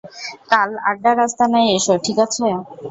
কাল আড্ডার আস্তানায় এসো, ঠিক আছে?